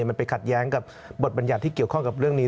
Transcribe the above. มันไปขัดแย้งกับบทบรรยัติที่เกี่ยวข้องกับเรื่องนี้